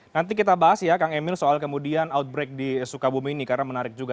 nanti kita bahas ya kang emil soal kemudian outbreak di sukabumi ini karena menarik juga